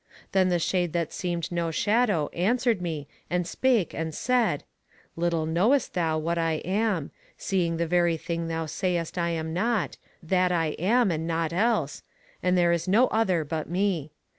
Then the shade that seemed no shadow answered me and spake and said: Little knowest thou what I am, seeing the very thing thou sayest I am not, that I am, and nought else, and there is no other but me.